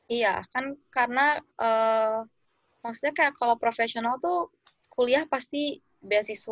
iya kan karena maksudnya kayak kalau profesional tuh kuliah pasti beasiswa